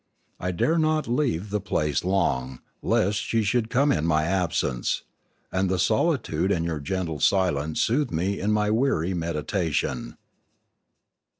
I dare not leave the place long, lest she should come in my absence. And the solitude and your gentle silence soothe me in my weary meditation.